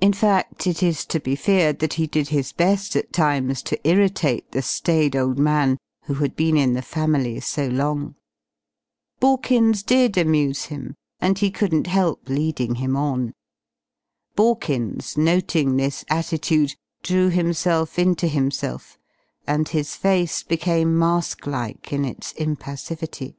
In fact it is to be feared that he did his best at times to irritate the staid old man who had been in the family so long. Borkins did amuse him, and he couldn't help leading him on. Borkins, noting this attitude, drew himself into himself and his face became mask like in its impassivity.